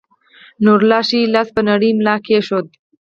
نورالله ښے لاس پۀ نرۍ ملا کېښود